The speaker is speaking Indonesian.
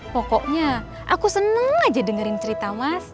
pokoknya aku seneng aja dengerin cerita mas